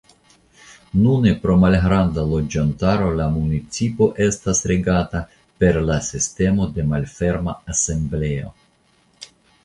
Nune pro malgranda loĝantaro la municipo estas regata per la sistemo de malferma asembleo.